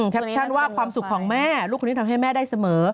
แคปชั่นว่าความสุขของแม่ลูกคนนี้ทำให้แม่ได้เสมอ